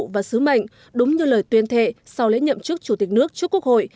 và sứ mệnh đúng như lời tuyên thệ sau lễ nhậm chức chủ tịch nước trước quốc hội